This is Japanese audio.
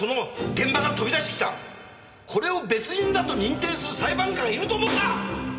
これを別人だと認定する裁判官がいると思うか！